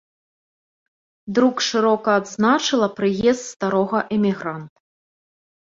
Друк шырока адзначыла прыезд старога эмігранта.